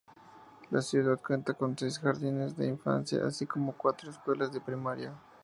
La ciudad cuenta con seis jardines de infancia, así como cuatro escuelas de primaria.